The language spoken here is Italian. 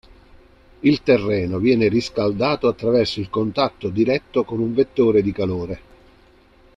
Il terreno viene riscaldato attraverso il contatto diretto con un vettore di calore.